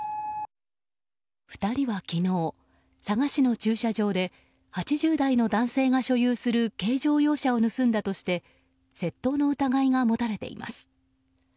２人は昨日、佐賀市の駐車場で８０代の男性が所有する軽乗用車を盗んだとして窃盗の疑いが持たれています。